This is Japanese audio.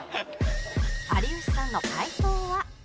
有吉さんの回答は